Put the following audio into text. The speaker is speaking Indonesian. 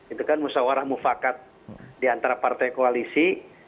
itu kan musyawarah mufakat di antara partai koalisi